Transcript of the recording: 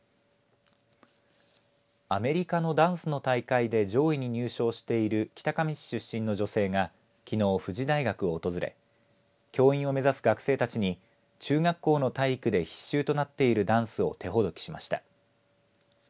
アメリカのダンスの大会で上位に入賞している北上市出身の女性がきのう、富士大学を訪れ教員を目指す学生たちに中学校の体育で必修となっているダンスを手ほどきしました。